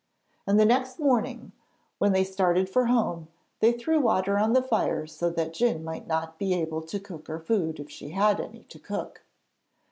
And the next morning, when they started for home, they threw water on the fire so that Djun might not be able to cook her food, if she had any to cook.